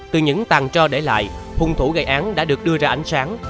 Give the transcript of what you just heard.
từ những tàn trò để lại hung thủ gây án đã được đưa ra ánh sáng